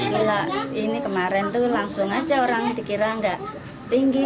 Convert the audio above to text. bila ini kemarin tuh langsung aja orang dikira nggak tinggi